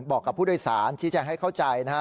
บอกกับผู้โดยสารชี้แจงให้เข้าใจนะฮะ